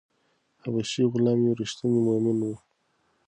حبشي غلام یو ریښتینی مومن و.